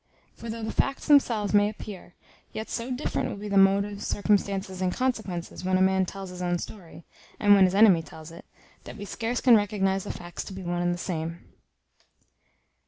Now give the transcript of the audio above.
For though the facts themselves may appear, yet so different will be the motives, circumstances, and consequences, when a man tells his own story, and when his enemy tells it, that we scarce can recognise the facts to be one and the same.